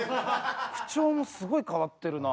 口調もすごい変わってるな。